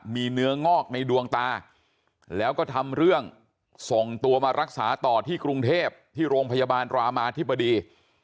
มีเนื้องอกในดวงตาแล้วก็ทำเรื่องส่งตัวมารักษาต่อที่กรุงเทพที่โรงพยาบาลรามาธิบดี